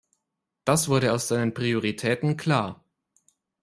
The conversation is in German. Das wurde aus seinen Prioritäten klar.